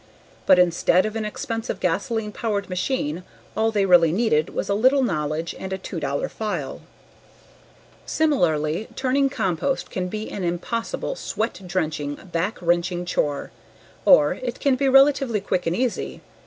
But instead of an expensive gasoline powered machine all they really needed was a little knowledge and a two dollar file. Similarly, turning compost can be an impossible, sweat drenching, back wrenching chore, or it can be relatively quick and easy.